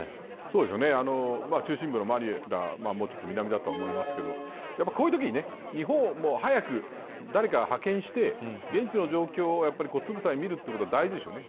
中心部のマニラもちょっと南だと思いますけどこういうときに日本は、早く誰かを派遣して現地の状況をつぶさに見ることは大事でしょうね。